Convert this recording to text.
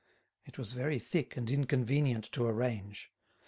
It was very thick and inconvenient to arrange.